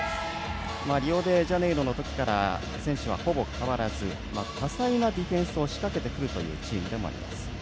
リオデジャネイロのときから選手はほぼ変わらず多彩なディフェンスを仕掛けてくるというチームでもあります。